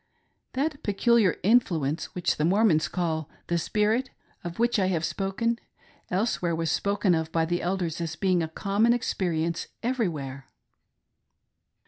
That peculiar influence which th€ Mormons call " the Spirit," of which I have spoken, elsewhere, was spoken of by the Elders as being a common experience every where.